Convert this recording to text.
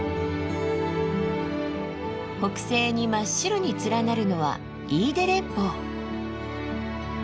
北西に真っ白に連なるのは飯豊連峰。